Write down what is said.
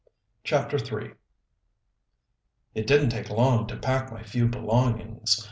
CHAPTER III It didn't take long to pack my few belongings.